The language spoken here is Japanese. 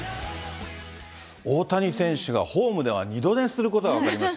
大谷選手が、ホームでは二度寝することが分かりました。